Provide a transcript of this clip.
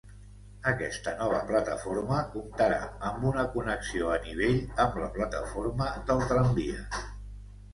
Aquesta nova plataforma comptarà amb una connexió a nivell amb la plataforma del tramvia.